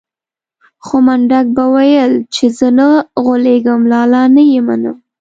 خو منډک به ويل چې زه نه غولېږم لالا نه يې منم.